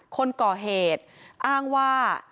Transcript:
คนก่อเหตุอ้างว่า